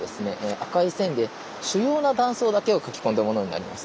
赤い線で主要な断層だけを書き込んだものになります。